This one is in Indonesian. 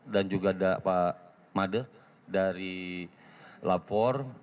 dan juga pak made dari lafor